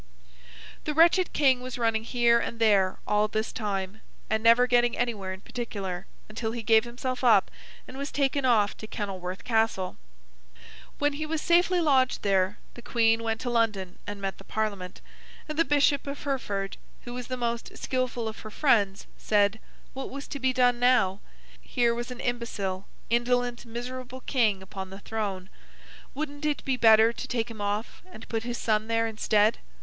The wretched King was running here and there, all this time, and never getting anywhere in particular, until he gave himself up, and was taken off to Kenilworth Castle. When he was safely lodged there, the Queen went to London and met the Parliament. And the Bishop of Hereford, who was the most skilful of her friends, said, What was to be done now? Here was an imbecile, indolent, miserable King upon the throne; wouldn't it be better to take him off, and put his son there instead?